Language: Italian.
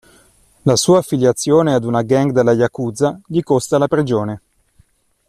La sua affiliazione ad una gang della yakuza gli costa la prigione.